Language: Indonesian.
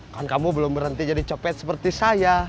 kan kamu belum berhenti jadi copet seperti saya